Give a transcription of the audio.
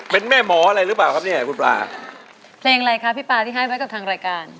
เพลงอะไรคะพี่ปพลาที่ให้ไว้กับของทางรายการ